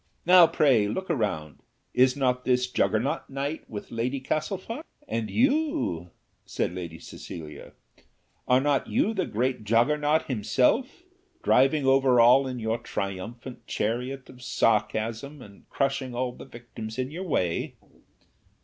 Now, pray look around: is not this Jaggernaut night with Lady Castlefort?" "And you," said Lady Cecilia; "are not you the great Jaggernaut himself, driving over all in your triumphant chariot of sarcasm, and crushing all the victims in your way?"